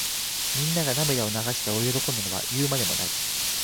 みんなが涙を流して喜んだのは言うまでもない。